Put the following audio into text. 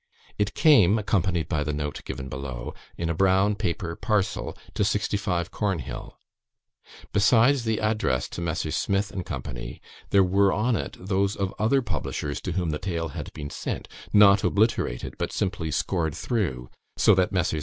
It came (accompanied by the note given below) in a brown paper parcel, to 65 Cornhill. Besides the address to Messrs. Smith and Co., there were on it those of other publishers to whom the tale had been sent, not obliterated, but simply scored through, so that Messrs.